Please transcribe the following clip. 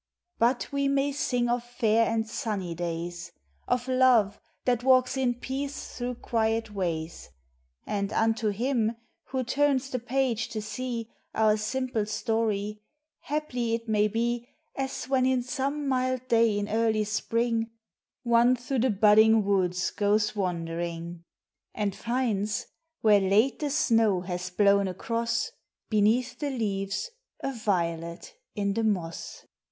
But we may sing of fair and sunny days, Of Love that walks in peace through quiet ways; And unto him who turns the page to see Our simple story, haply it may be As when in some mild day in early spring, One through the budding woods goes wandering; And finds, where late the snow has blown across, Beneath the leaves, a violet in the moss.